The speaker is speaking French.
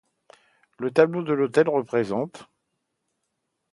Le tableau de l'autel représente.